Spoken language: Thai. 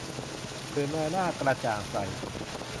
ตื่นมาหน้ากระจ่างใส